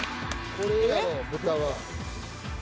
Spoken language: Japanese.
これやろ豚は。